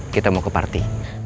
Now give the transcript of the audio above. kita mau ke party